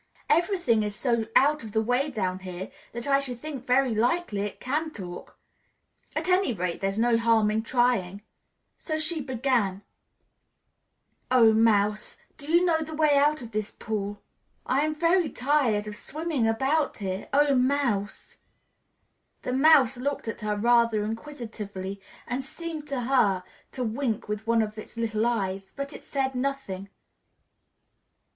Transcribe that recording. Everything is so out of the way down here that I should think very likely it can talk; at any rate, there's no harm in trying." So she began, "O Mouse, do you know the way out of this pool? I am very tired of swimming about here, O Mouse!" The Mouse looked at her rather inquisitively and seemed to her to wink with one of its little eyes, but it said nothing.